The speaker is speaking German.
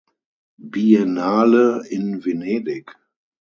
Biennale in Venedig.